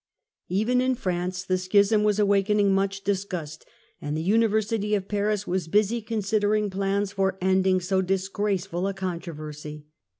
Even in Prance the Schism was awaking much disgust, and the University of Paris was busy considering plans for ending so dis graceful a controversy.